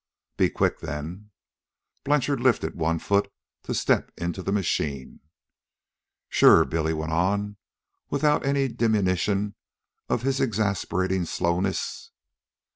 "Be quick, then." Blanchard lifted one foot to step into the machine. "Sure," Billy went on without any diminution of his exasperating slowness.